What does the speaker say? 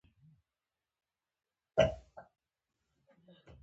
د اشکمش دښته پراخه ده